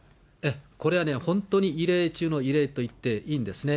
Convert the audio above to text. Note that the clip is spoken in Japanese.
これは本当に異例中の異例と言っていいんですね。